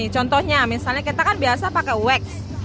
contohnya misalnya kita kan biasa pakai wax